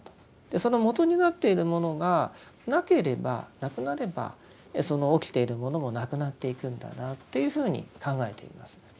そのもとになっているものがなければなくなればその起きているものもなくなっていくんだなというふうに考えています。